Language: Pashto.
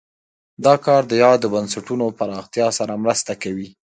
دا کار د یادو بنسټونو پراختیا سره مرسته کوي.